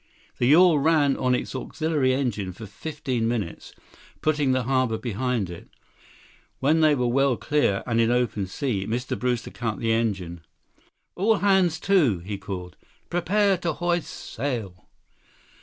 The yawl ran on its auxiliary engine for fifteen minutes, putting the harbor behind it. When they were well clear, and in open sea, Mr. Brewster cut the engine. "All hands to," he called. "Prepare to hoist sail."